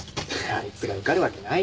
あいつが受かるわけないって。